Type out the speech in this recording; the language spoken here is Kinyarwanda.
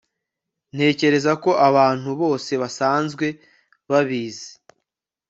Ntekereza ko abantu bose basanzwe babizi